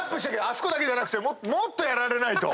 あそこだけじゃなくてもっとやられないと。